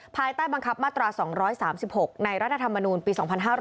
ภายใต้บังคับมาตรา๒๓๖ในรัฐธรรมนูลปี๒๕๕๙